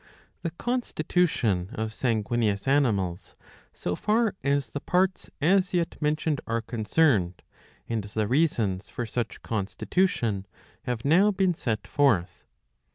The constitution of sanguineous animals, so far as the parts as yet mentioned are concerned, and the reasons for such constitution, have now been set forth.